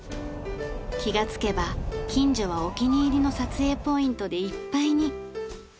気がつけば近所はお気に入りの撮影ポイントでいっぱいに！